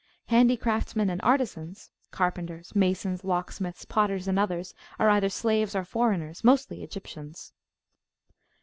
Handicraftsmen and artisanscarpenters, masons, locksmiths, potters, and othersare either slaves or foreigners, mostly Egyptians.